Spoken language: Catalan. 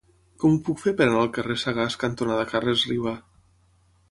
Com ho puc fer per anar al carrer Sagàs cantonada Carles Riba?